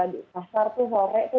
di pasar tuh sore udah rame